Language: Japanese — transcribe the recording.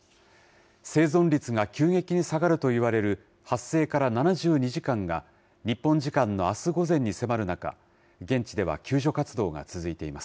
生存率が急激に下がるといわれる発生から７２時間が、日本時間のあす午前に迫る中、現地では救助活動が続いています。